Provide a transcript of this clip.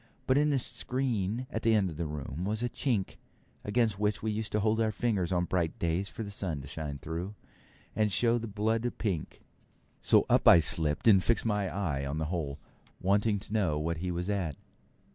But in the screen at the end of the room was a chink, against which we used to hold our fingers on bright days for the sun to shine through, and show the blood pink; so up I slipped and fixed my eye to the hole, wanting to know what he was at.